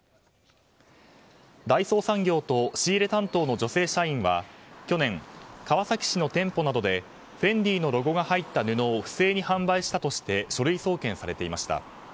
大創産業と仕入れ担当の女性社員は去年川崎市の店舗などでフェンディのロゴが入った布を不正に販売したとして書類送検されていました。